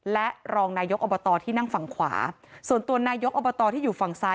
และรองนายกอบตที่นั่งฝั่งขวาส่วนตัวนายกอบตที่อยู่ฝั่งซ้าย